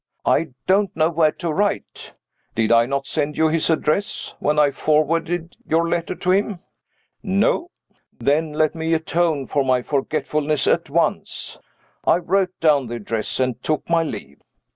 "I don't know where to write." "Did I not send you his address when I forwarded your letter to him?" "No." "Then let me atone for my forgetfulness at once." I wrote down the address, and took my leave.